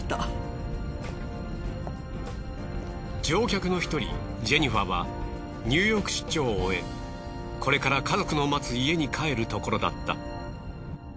乗客の一人ジェニファーはニューヨーク出張を終えこれから家族の待つ家に帰るところだった。